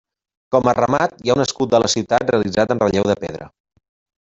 Com a remat hi ha un escut de la ciutat realitzat en relleu de pedra.